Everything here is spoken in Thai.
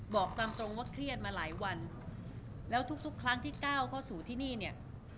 บอกตามตรงว่าเครียดมาหลายวันแล้วทุกทุกครั้งที่ก้าวเข้าสู่ที่นี่เนี่ย